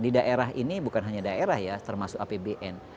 di daerah ini bukan hanya daerah ya termasuk apbn